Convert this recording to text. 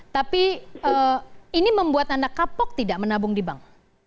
tapi ini membuat anda kapok tidak menabung di bank